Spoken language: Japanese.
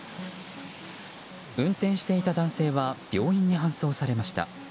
運転していた男性は病院に搬送されました。